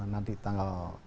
nanti tanggal empat belas